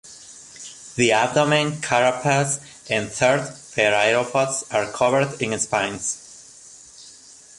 The abdomen, carapace and third pereiopods are covered in spines.